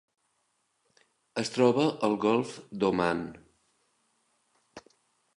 Es troba al Golf d'Oman.